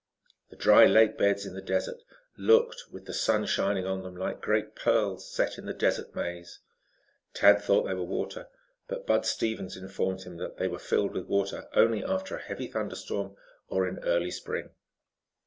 The dry lake beds in the desert, looked, with the sun shining on them, like great pearls set in the Desert Maze. Tad thought they were water, but Bud Stevens informed him that they were filled with water only after a heavy thunderstorm, or in the early spring.